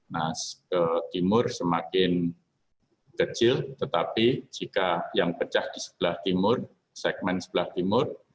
nah ke timur semakin kecil tetapi jika yang pecah di sebelah timur segmen sebelah timur